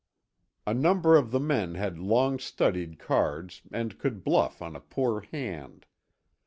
A number of the men had long studied cards and could bluff on a poor hand.